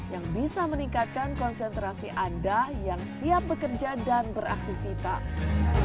yang bisa meningkatkan konsentrasi anda yang siap bekerja dan beraktivitas